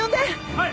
はい！